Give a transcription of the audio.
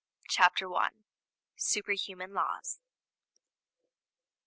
CHAPTER I. SUPERHUMAN LAWS.